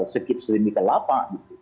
sekit sering dikelapa